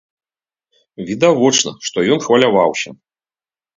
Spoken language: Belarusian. Відавочна, што ён хваляваўся.